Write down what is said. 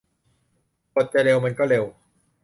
บทจะเร็วมันก็เร็ว